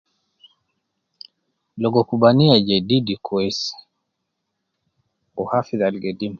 Logo kubaniya jedidi kwesi, wu hafidh al gedim